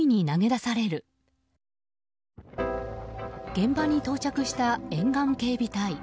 現場に到着した沿岸警備隊。